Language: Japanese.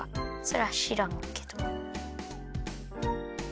それはしらんけど。